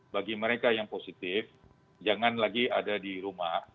bagi mereka yang positif jangan lagi ada di rumah